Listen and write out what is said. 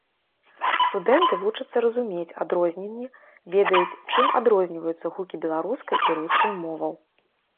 Студэнты вучацца разумець адрозненні, ведаюць, чым адрозніваюцца гукі беларускай і рускай моваў.